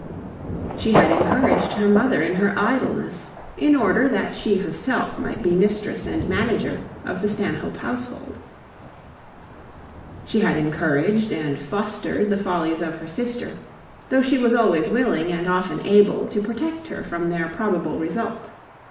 She had encouraged her mother in her idleness in order that she herself might be mistress and manager of the Stanhope household. She had encouraged and fostered the follies of her sister, though she was always willing, and often able, to protect her from their probable result.